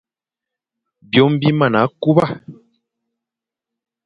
Byôm bi mana kuba.